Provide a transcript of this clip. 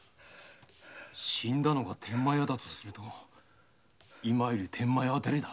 死んだのが天満屋だとすると今いる天満屋はだれだ？